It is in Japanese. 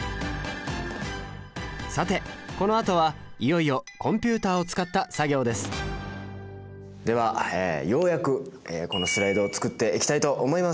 さてこのあとはいよいよコンピュータを使った作業ですではようやくこのスライドを作っていきたいと思います！